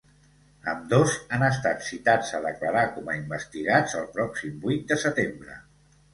Ambdós han estat citats a declarar com a investigats el pròxim vuit de setembre.